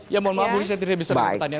ya mohon maaf budi saya tidak bisa bertanya